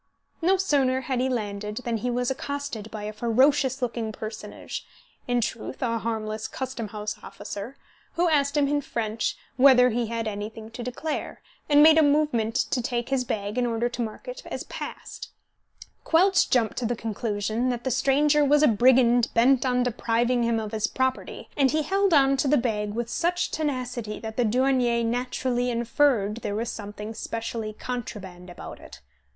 No sooner had he landed than he was accosted by a ferocious looking personage (in truth, a harmless custom house officer), who asked him in French whether he had anything to declare, and made a movement to take his bag in order to mark it as "passed." Quelch jumped to the conclusion that the stranger was a brigand bent on depriving him of his property, and he held on to the bag with such tenacity that the douanier naturally inferred there was something specially contraband about it.